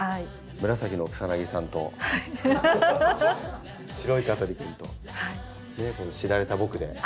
紫の草さんと白い香取くんとしだれた僕で。